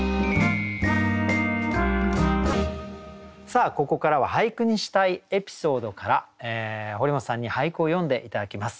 さあここからは俳句にしたいエピソードから堀本さんに俳句を詠んで頂きます。